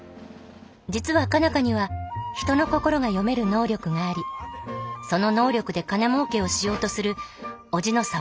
実は佳奈花には人の心が読める能力がありその能力で金もうけをしようとする叔父の沢田に追われていた。